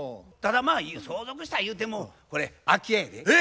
ただまあ相続したゆうてもこれ空き家やで。